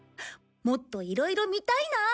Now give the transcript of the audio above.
もっといろいろ見たいな。